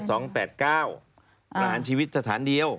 หลานชีวิตสถานเดียว